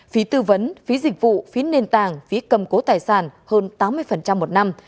phí tư vấn phí dịch vụ phí nền tàng phí cầm cố tài sản hơn tám mươi một năm